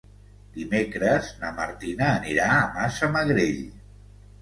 Dimecres na Martina anirà a Massamagrell.